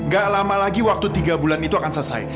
gak lama lagi waktu tiga bulan itu akan selesai